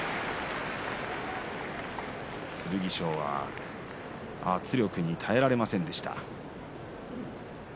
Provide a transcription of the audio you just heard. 剣翔は圧力に耐えられませんでした。